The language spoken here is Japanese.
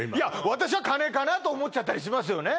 私は金かなと思っちゃったりしますよね